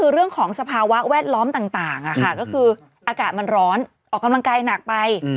คือเรื่องของสภาวะแวดล้อมต่างก็คืออากาศมันร้อนออกกำลังกายหนักไป